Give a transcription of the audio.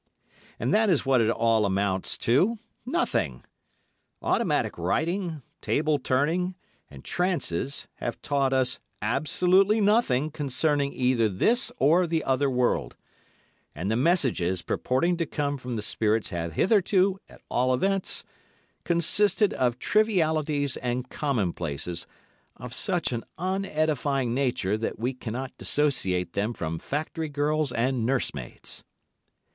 And that is what it all amounts to—nothing. Automatic writing, table turning, and trances have taught us absolutely nothing concerning either this or the other world, and the messages purporting to come from the spirits have hitherto, at all events, consisted of trivialities and commonplaces of such an unedifying nature that we cannot dissociate them from factory girls and nursemaids.